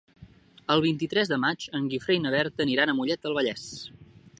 El vint-i-tres de maig en Guifré i na Berta aniran a Mollet del Vallès.